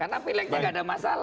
karena pilihannya tidak ada masalah